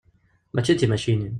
Mačči d timacinin.